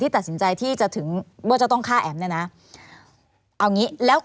ที่ตัดสินใจที่จะถึง